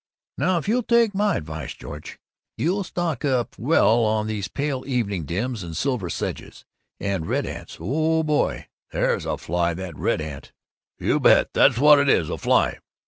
"Now if you'll take my advice, Georgie, you'll stock up well on these pale evening dims, and silver sedges, and red ants. Oh, boy, there's a fly, that red ant!" "You bet! That's what it is a fly!"